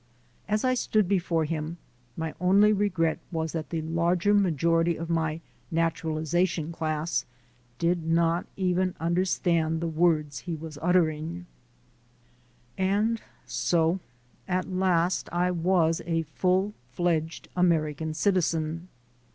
As I stood before him, my only regret was that the larger majority of my "natural ization class" did not even understand the words he was uttering. 200 THE SOUL OF AN IMMIGRANT And so at last I was a full fledged American citi zen.